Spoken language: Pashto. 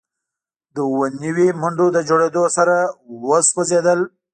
د اووه نوي منډو له جوړیدو سره وسوځیدل